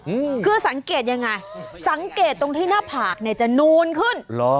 อืมคือสังเกตยังไงสังเกตตรงที่หน้าผากเนี้ยจะนูนขึ้นเหรอ